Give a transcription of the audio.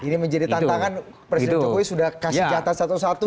ini menjadi tantangan presiden jokowi sudah kasih catatan satu satu